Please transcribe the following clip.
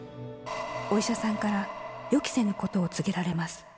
お医者さんから予期せぬことを告げられます。